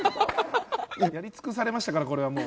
やり尽くされましたからこれはもう。